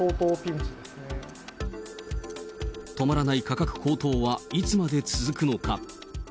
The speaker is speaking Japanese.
止まらない価格高騰はいつまで続くのか。